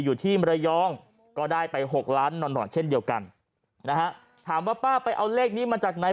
อยู่ที่มรยองก็ได้ไปหกล้านหนอนเช่นเดียวกันนะฮะถามว่าป้าไปเอาเลขนี้มาจากไหน